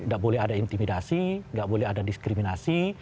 gak boleh ada intimidasi gak boleh ada diskriminasi